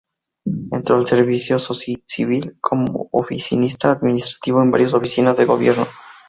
Entró en el servicio civil como oficinista administrativo en varias oficinas del gobierno.